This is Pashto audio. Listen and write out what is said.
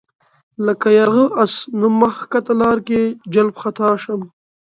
لکه یرغه آس نه مخ ښکته لار کې جلَب خطا شم